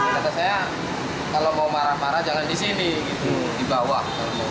kata saya kalau mau marah marah jangan di sini gitu di bawah